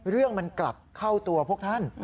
เรื่องมันกลับเข้าตัวพวกท่าน